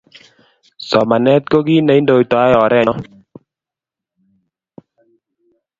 Somanet ko kit ne indoitae orenyo